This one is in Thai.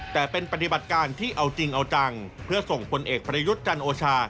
แต่เป็นปฏิบัติการที่เอาจริงเอาจังเพื่อส่งผลเอกประยุทธ์จันโอชา